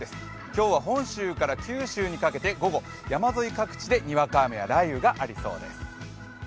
今日は本州から九州にかけて午後、山沿い各地でにわか雨や雷雨がありそうです。